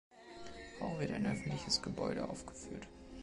Auch wird ein öffentliches Gebäude aufgeführt.